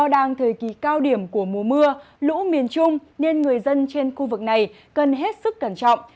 đang thời kỳ cao điểm của mùa mưa lũ miền trung nên người dân trên khu vực này cần hết sức cẩn trọng